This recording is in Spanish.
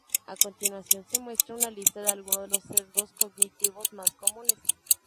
A continuación se muestra una lista de algunos de los sesgos cognitivos más comunes.